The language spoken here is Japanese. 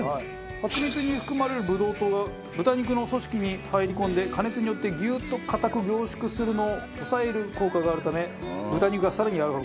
ハチミツに含まれるブドウ糖が豚肉の組織に入り込んで加熱によってギューッと硬く凝縮するのを抑える効果があるため豚肉が更にやわらかくなります。